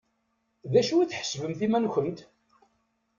D acu i tḥesbemt iman-nkent?